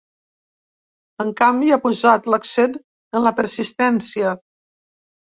En canvi, ha posat l’accent en la persistència.